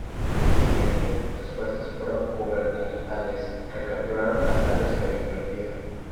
Al día siguiente, las fuerzas progubernamentales recapturaron las áreas que habían perdido.